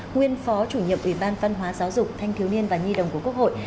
nguyên phó chủ nhiệm ủy ban văn hóa giáo dục thanh thiếu niên và nhi đồng của quốc hội